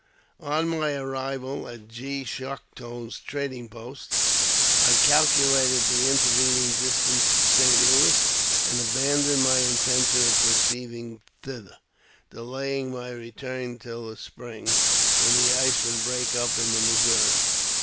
On my arrival at G. Chouteau's trading post, I calculated the intervening distance to St. Louis, and abandoned my intention of proceeding thither, delaying my return till the spring, when the ice would break up in the Missouri.